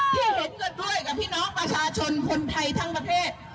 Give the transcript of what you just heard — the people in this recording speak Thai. ที่เห็นกันด้วยกับพี่น้องประชาชนคนไทยทั้งประเทศ